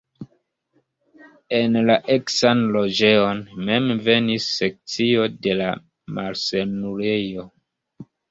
En la eksan loĝejon mem venis sekcio de la malsanulejo.